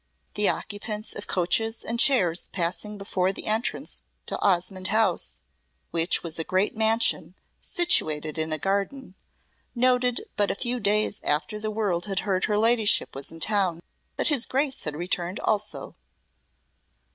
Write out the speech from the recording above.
The occupants of coaches and chairs passing before the entrance to Osmonde House, which was a great mansion situated in a garden, noted but a few days after the world had heard her ladyship was in town, that his Grace had returned also.